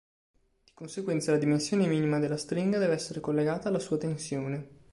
Di conseguenza, la dimensione minima della stringa deve essere collegata alla sua tensione.